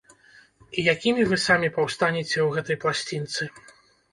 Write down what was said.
І якімі вы самі паўстанеце ў гэтай пласцінцы?